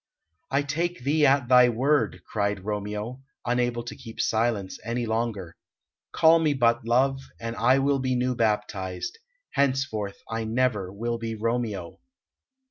"I take thee at thy word!" cried Romeo, unable to keep silence any longer. "Call me but love, and I will be new baptized; henceforth I never will be Romeo!"